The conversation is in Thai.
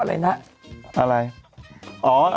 ฉันชอบอะไรนะ